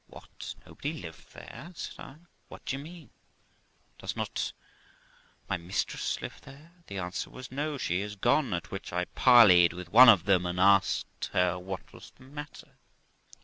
' What, nobody lives there !' said 1 ;' what d'ye mean ? Does not Mrs live there ?' The answer was, ' No, she is gone ', at which I parleyed with one of them, and asked her what was the matter.